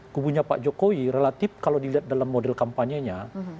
kubunya pak jokowi relatif kalau dilihat dalam model kampanyenya